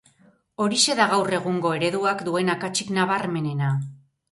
Horixe da gaur egungo ereduak duen akatsik nabarmenena.